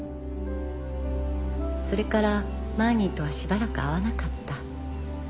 それからマーニーとはしばらく会わなかった。